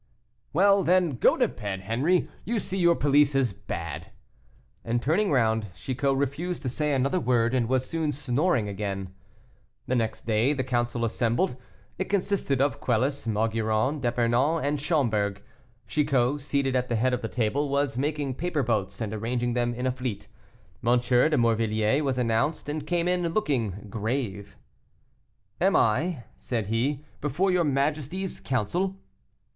"Well, then, go to bed, Henri; you see your police is bad." And, turning round, Chicot refused to say another word, and was soon snoring again. The next day the council assembled. It consisted of Quelus, Maugiron, D'Epernon, and Schomberg. Chicot, seated at the head of the table, was making paper boats, and arranging them in a fleet. M. de Morvilliers was announced, and came in, looking grave. "Am I," said he, "before your majesty's council?"